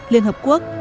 liên hợp quốc